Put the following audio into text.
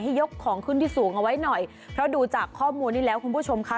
ยกของขึ้นที่สูงเอาไว้หน่อยเพราะดูจากข้อมูลนี้แล้วคุณผู้ชมค่ะ